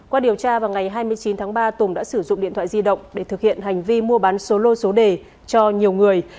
qua điều tra vào ngày hai mươi chín tháng ba tùng đã sử dụng điện thoại di động để thực hiện hành vi mua bán số lô số đề cho nhiều người